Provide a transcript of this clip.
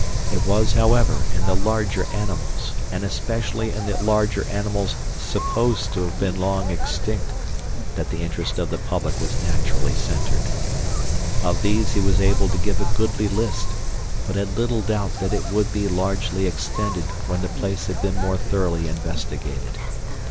It was, however, in the larger animals, and especially in the larger animals supposed to have been long extinct, that the interest of the public was naturally centered. Of these he was able to give a goodly list, but had little doubt that it would be largely extended when the place had been more thoroughly investigated.